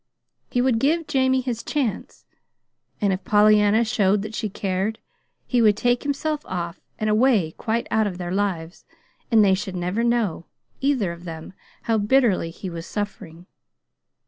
He would give Jamie his chance; and if Pollyanna showed that she cared, he would take himself off and away quite out of their lives; and they should never know, either of them, how bitterly he was suffering.